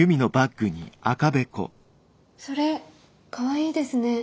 それかわいいですね。